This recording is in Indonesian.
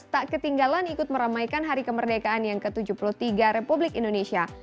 tak ketinggalan ikut meramaikan hari kemerdekaan yang ke tujuh puluh tiga republik indonesia